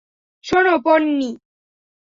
শোনো, পোন্নি।